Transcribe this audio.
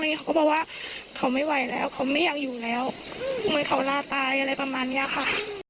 เขาก็บอกว่าเขาไม่ไหวแล้วเขาไม่อยากอยู่แล้วเหมือนเขาลาตายอะไรประมาณเนี้ยค่ะ